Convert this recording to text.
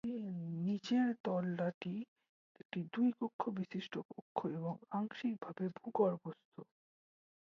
নিচের তলাটি একটি দুই কক্ষ বিশিষ্ট কক্ষ এবং আংশিকভাবে ভূগর্ভস্থ।